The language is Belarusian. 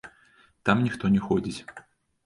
Там ніхто не ходзіць.